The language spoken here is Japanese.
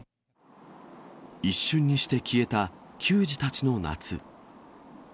一瞬にして消えた球児たちの夏。